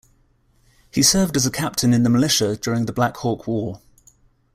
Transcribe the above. He served as a captain in the militia during the Black Hawk War.